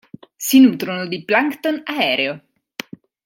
Si nutrono di plancton aereo.